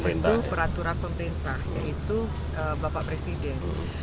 itu peraturan pemerintah yaitu bapak presiden